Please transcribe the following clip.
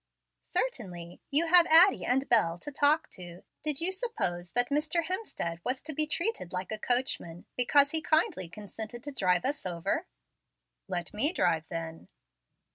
"Certainly. You have Addie and Bel to talk to. Did you suppose that Mr. Hemstead was to be treated like a coachman because he kindly consented to drive us over?" "Let me drive, then."